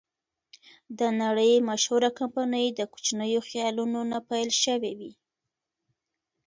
د نړۍ مشهوره کمپنۍ د کوچنیو خیالونو نه پیل شوې وې.